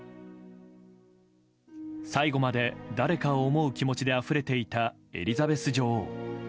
最後まで誰かを思う気持ちであふれていたエリザベス女王。